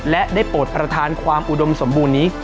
และได้โปรดประธานความอุดมสมบูรณ์นี้